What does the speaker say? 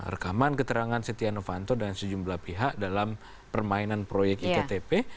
rekaman keterangan setia novanto dan sejumlah pihak dalam permainan proyek iktp